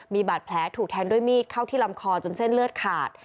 มีบาดแผลถูกแทงด้วยมีดเข้าที่ลำคอจนเส้นเลือดขาด